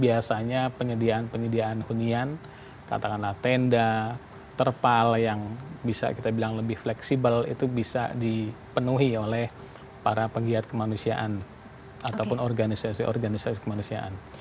biasanya penyediaan penyediaan hunian katakanlah tenda terpal yang bisa kita bilang lebih fleksibel itu bisa dipenuhi oleh para pegiat kemanusiaan ataupun organisasi organisasi kemanusiaan